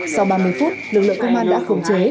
sau ba mươi phút lực lượng công an đã khống chế